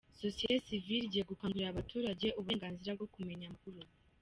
Sosiyete sivile igiye gukangurira abaturage uburenganzira bwo kumenya amakuru